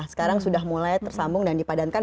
sekarang sudah mulai tersambung dan dipadankan